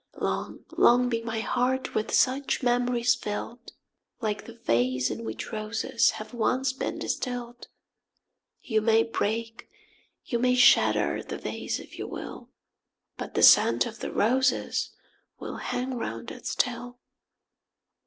Long, long be my heart with such memories fill'd ! Like the vase, in which roses have once been distill'd — You may break, you may shatter the vase if you will, But the scent of the roses will hang round it still.